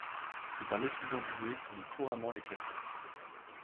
C'est un étudiant doué qui lit couramment les classiques.